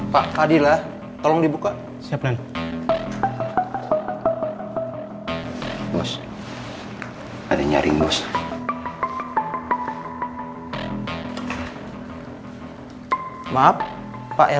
patung para damai